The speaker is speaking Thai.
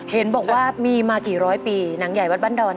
เห็นบอกว่ามีมากี่ร้อยปีหนังใหญ่วัดบ้านดอน